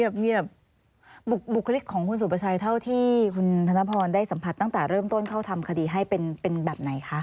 แบบมีแบบบุคลิกของคุณสุประชัยเท่าที่คุณธนพรได้สัมผัสตั้งแต่เริ่มต้นเข้าทำคดีให้เป็นแบบไหนคะ